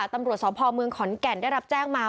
ตำรวจสพเมืองขอนแก่นได้รับแจ้งมา